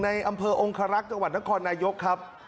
ในอำเภอองคารักษ์จังหวัดนครนายกครับ